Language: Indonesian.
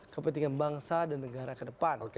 kepentingan bangsa dan negara kedepan